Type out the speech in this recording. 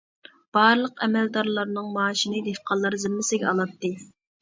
بارلىق ئەمەلدارلارنىڭ مائاشىنى دېھقانلار زىممىسىگە ئالاتتى.